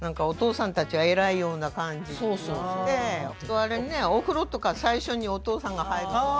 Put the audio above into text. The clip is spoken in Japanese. あれねお風呂とか最初にお父さんが入るとか。